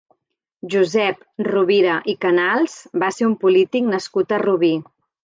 Josep Rovira i Canals va ser un polític nascut a Rubí.